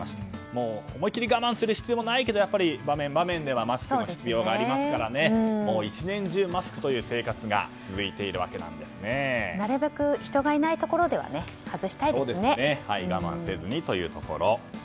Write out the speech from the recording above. もう思いきり我慢する必要もないけど、場面場面ではマスクの必要がありますから１年中マスクという生活がなるべく人がいないところでは我慢せずにというところ。